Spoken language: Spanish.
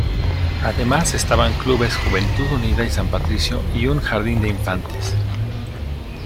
Además estaban clubes Juventud Unida y San Patricio y un jardín de infantes.